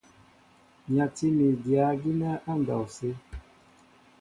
Nyatí mi dyǎ gínɛ́ á ndɔw sə.